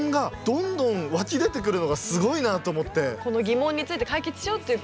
このギモンについて解決しようっていう